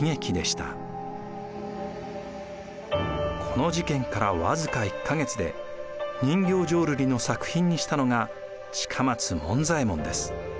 この事件から僅か１か月で人形浄瑠璃の作品にしたのが近松門左衛門です。